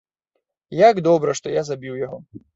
Як добра, што я забіў яго.